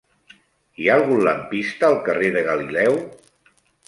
Hi ha algun lampista al carrer de Galileu?